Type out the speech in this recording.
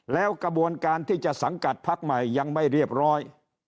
แล้วกระบวนการที่จะสังกัดพักใหม่ยังไม่เรียบร้อย